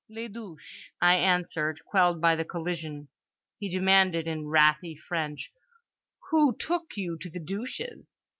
Les douches_," I answered, quelled by the collision.—He demanded in wrathy French "Who took you to the douches?"